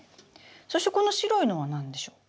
そしてこの白いのは何でしょう？